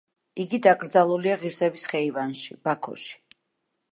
იგი დაკრძალულია „ღირსების ხეივანში“, ბაქოში.